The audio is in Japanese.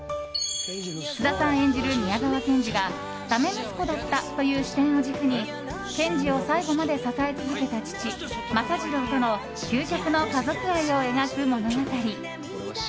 菅田さん演じる宮沢賢治がだめ息子だったという視点を軸に賢治を最後まで支え続けた父・政次郎との究極の家族愛を描く物語。